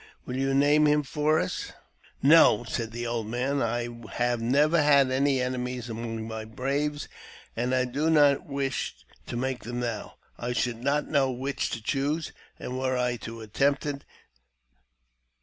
Will you name him for us ?" "No," said the old man ;" I have never had any ene among my braves, and I do not wish to make them now should not know which to choose, were I to attempt it.